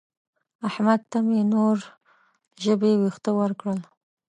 احمد ته مې نور ژبې وېښته وکړل.